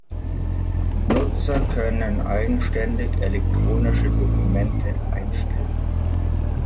Nutzer können eigenständig elektronische Dokumente einstellen.